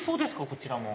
こちらも。